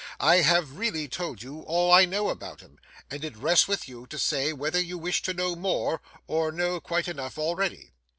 I have really told you all I know about him, and it rests with you to say whether you wish to know more, or know quite enough already.